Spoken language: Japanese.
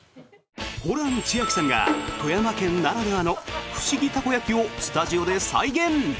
ホラン千秋さんが富山県ならではのフシギたこ焼きをスタジオで再現！